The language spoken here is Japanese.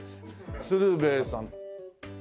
鶴瓶さん。